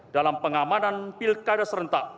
dalam pengamanan pilkada serentak